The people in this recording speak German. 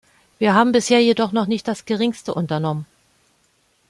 Wir haben bisher jedoch noch nicht das geringste unternommen.